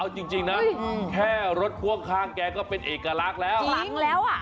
เอาจริงนะแค่รถพ่วงข้างแกก็เป็นเอกลักษณ์แล้วลิ้งแล้วอ่ะ